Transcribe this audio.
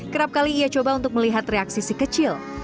kerap kali ia coba untuk melihat reaksi si kecil